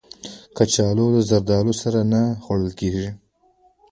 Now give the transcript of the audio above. کچالو له زردالو سره نه خوړل کېږي